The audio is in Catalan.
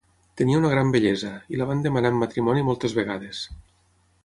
Tenia una gran bellesa, i la van demanar en matrimoni moltes vegades.